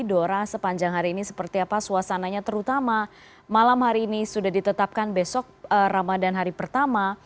dora sepanjang hari ini seperti apa suasananya terutama malam hari ini sudah ditetapkan besok ramadan hari pertama